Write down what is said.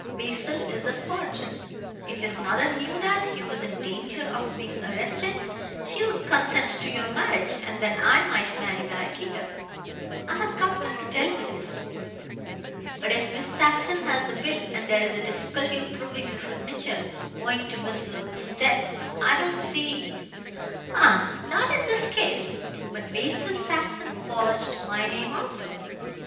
Basil is a forger. If his mother knew that he was in danger of being arrested she would consent to your marriage, and then I might marry Maraquito. I have come here to tell you this." "But if Miss Saxon has the bill, and there is a difficulty of proving the signature, owing to Miss Loach's death, I don't see " "Ah, not in this case. But Basil Saxon forged my name also.